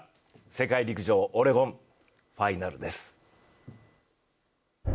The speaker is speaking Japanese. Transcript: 世界陸上オレゴン、ファイナルです。